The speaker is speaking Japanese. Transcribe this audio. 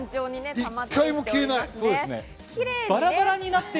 １回も消えない。